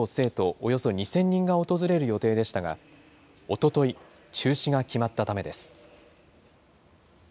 およそ２０００人が訪れる予定でしたが、おととい、中止が決まったためです。